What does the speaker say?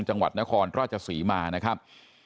จังหวัดนครราชศรีมานะครับ